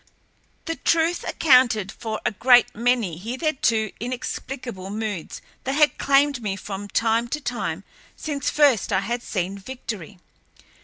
The truth accounted for a great many hitherto inexplicable moods that had claimed me from time to time since first I had seen Victory.